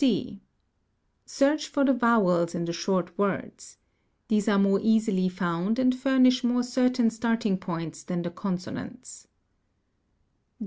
— (c) Search for the vowels in the short words. These are more "easily found and furnish more certain starting points than the conso nants.